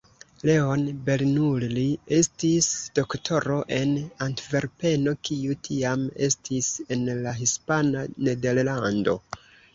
Leon Bernoulli estis doktoro en Antverpeno, kiu tiam estis en la Hispana Nederlando.